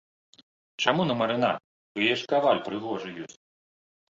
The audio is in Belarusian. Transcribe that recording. Чаму на марынад, у яе ж каваль прыгожы ёсць.